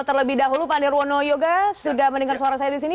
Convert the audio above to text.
terlebih dahulu pak nirwono yoga sudah mendengar suara saya di sini